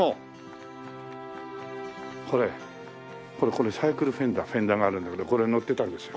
これサイクルフェンダーフェンダーがあるんだけどこれ乗ってたんですよ。